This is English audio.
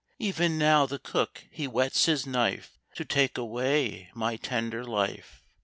Even now the cook he whets his knife To take away my tender life."